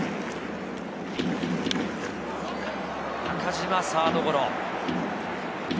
中島、サードゴロ。